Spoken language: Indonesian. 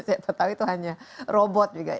saya tahu itu hanya robot juga ya